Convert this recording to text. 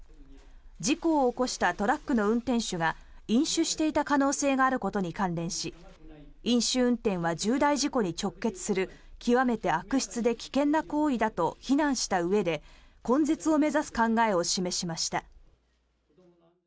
事故を起こしたトラックの運転手が飲酒していた可能性があることに関連し飲酒運転は重大事故に直結する極めて悪質で危険な行為だと非難したうえで根絶を目指す考えを示しました。